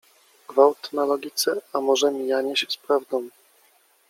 Gwałt na logice a może mijanie się z prawdą?